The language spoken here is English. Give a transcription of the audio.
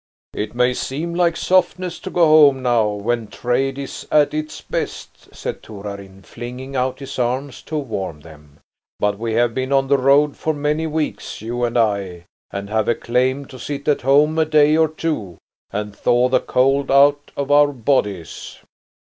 "It may seem like softness to go home now when trade is at its best," said Torarin, flinging out his arms to warm them. "But we have been on the road for many weeks, you and I, and have a claim to sit at home a day or two and thaw the cold out of our bodies."